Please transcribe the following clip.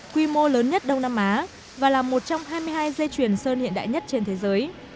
quy mô lớn nhất đông nam á và là một trong hai mươi hai dây chuyền sơn hiện đại nhất trên thế giới